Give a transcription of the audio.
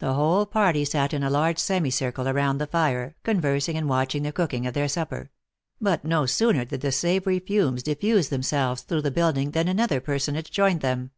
The whole party sat in a large semi circle around the fire, conversing; and watching the cooking of their O O O supper; but no sooner did the savory fumes diffuse themselves through the building than another person age joined them.